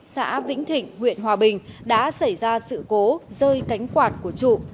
xã vĩnh thịnh huyện hòa bình đã xảy ra sự cố rơi cánh quạt của trụ